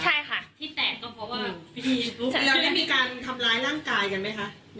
ใช่ค่ะที่แตกก็เพราะว่าเราได้มีการทำร้ายร่างกายกันไหมคะ